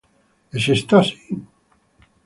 ¿Es esto así?